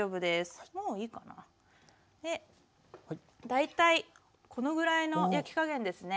大体このぐらいの焼き加減ですね。